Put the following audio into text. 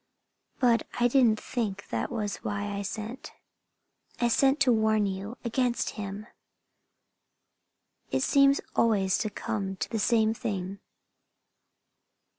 But I didn't think that was why I sent. I sent to warn you against him. It seems always to come to the same thing."